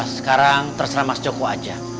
sekarang terserah mas joko aja